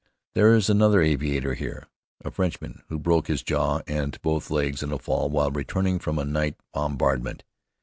There is another aviator here, a Frenchman, who broke his jaw and both legs in a fall while returning from a night bombardment.